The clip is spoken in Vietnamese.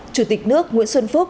chủ tịch nước nguyễn xuân phúc